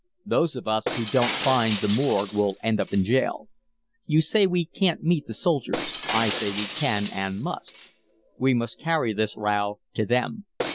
Those of us who don't find the morgue will end in jail. You say we can't meet the soldiers. I say we can and must. We must carry this row to them.